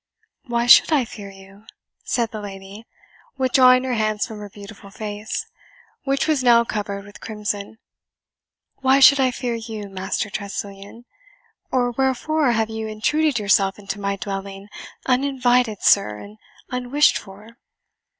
"Why should I fear you?" said the lady, withdrawing her hands from her beautiful face, which was now covered with crimson, "Why should I fear you, Master Tressilian? or wherefore have you intruded yourself into my dwelling, uninvited, sir, and unwished for?"